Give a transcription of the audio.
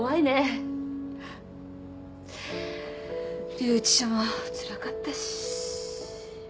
留置所もつらかったし。